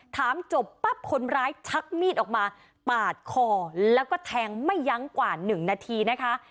ถามจบปั๊บคนร้ายชักมีดออกมาปาดคอแล้วก็แทงไม่ยั้งกว่า๑นาทีนะคะ